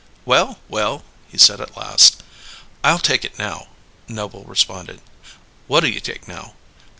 "Well! Well!" he said at last. "I'll take it now," Noble responded. "What'll you take now?"